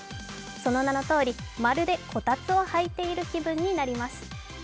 その名のとおりまるでこたつを履いている気分になります。